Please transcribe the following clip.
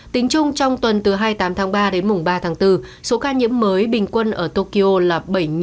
tính chung trong tuần từ hai mươi tám tháng ba đến mùng ba tháng bốn số ca nhiễm mới bình quân ở tokyo là